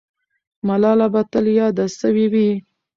ملاله به تل یاده سوې وي.